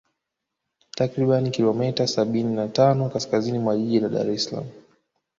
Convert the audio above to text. Takribani kilomita sabini na tano kaskaziini mwa Jiji la Daressalaam